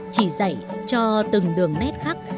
chỉ dạy cho từng đường nét khắc